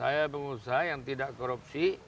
saya pengusaha yang tidak korupsi